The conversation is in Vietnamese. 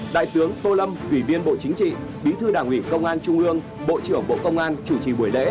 đại tướng tô lâm quỷ viên bộ chính trị bí thư đảng ủy công an trung ương bộ trưởng bộ công an chủ trì bộ công an